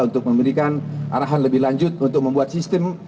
untuk memberikan arahan lebih lanjut untuk membuat sistem